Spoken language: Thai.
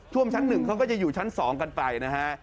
ท่วมชั้น๑เขาก็จะอยู่ชั้น๒กันไปนะฮะ